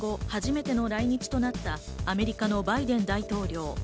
就任後、初めての来日となったアメリカのバイデン大統領。